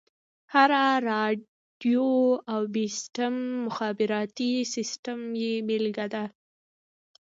هره راډيو او بيسيم مخابراتي سيسټم يې بېلګه ده.